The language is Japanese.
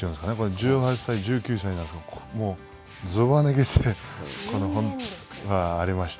１８歳、１９歳なんですが、ずば抜けてありまして。